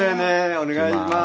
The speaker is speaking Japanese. お願いします。